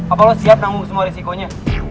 apa lo siap menanggung semua resikonya